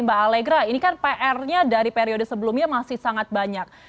mbak alegra ini kan pr nya dari periode sebelumnya masih sangat banyak